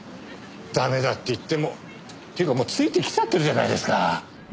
ダメだって言ってもっていうかもうついてきちゃってるじゃないですか！